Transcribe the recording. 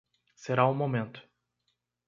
Será um momento.